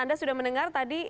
anda sudah mendengar tadi